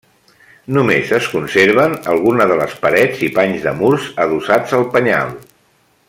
Només es conserven algunes de les parets i panys de murs adossats al penyal.